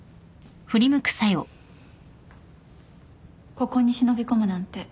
ここに忍び込むなんて